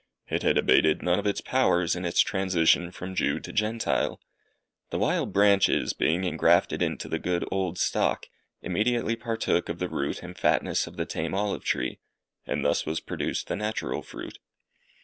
It had abated none of its powers, in its transition from Jew to Gentile. The wild branches, being engrafted into the good old stock, immediately partook of the root and fatness of the tame olive tree, and thus was produced the natural fruit.